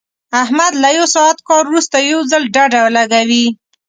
احمد له یو ساعت کار ورسته یو ځل ډډه لګوي.